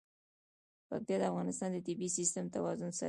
پکتیا د افغانستان د طبعي سیسټم توازن ساتي.